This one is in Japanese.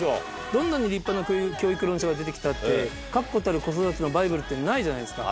どんなに立派な教育論者が出て来たって確固たる子育てのバイブルってないじゃないですか。